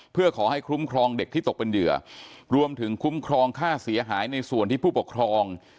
เพื่อขอให้คุ้มครองเด็กที่ตกเป็นเหยื่อรวมถึงคุ้มครองค่าเสียหายในส่วนที่ผู้ปกครอง